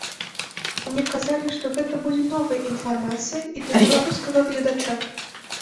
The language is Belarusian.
Мне казалі, што гэта будзе новая інфармацыя і для беларускага гледача.